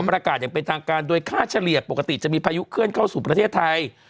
ประกาศอย่างเป็นทางการโดยค่าเฉลี่ยปกติจะมีพายุเคลื่อนเข้าสู่ประเทศไทย